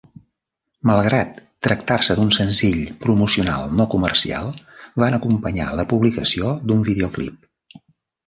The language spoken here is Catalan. Malgrat tractar-se d'un senzill promocional no comercial, van acompanyar la publicació d'un videoclip.